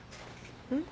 うん？